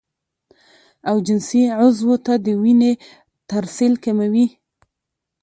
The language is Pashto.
او جنسي عضو ته د وينې ترسيل کموي